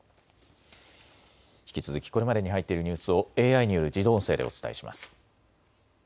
引き続きこれまでに入っているニュースをＡＩによる自動音声でお伝えします。